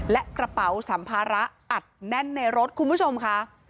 และกระเป๋าสัมภาระอัดแน่นในรถคุณผู้ชมค่ะ